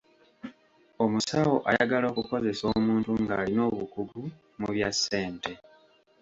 Omusawo ayagala okukozesa omuntu ng'alina obukugu mu bya ssente.